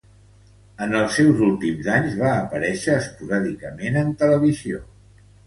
En els seus últims anys va aparèixer esporàdicament en televisió.